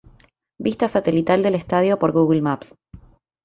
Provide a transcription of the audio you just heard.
Vista satelital del estadio por Google Maps.